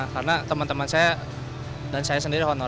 karena teman teman saya dan saya sendiri honorer